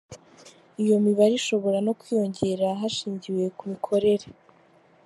Iyo mibare ishobora no kwiyongera hashingiwe ku mikorere.